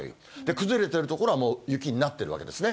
崩れてる所はもう雪になってるわけですね。